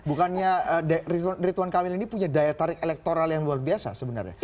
bukannya ridwan kamil ini punya daya tarik elektoral yang luar biasa sebenarnya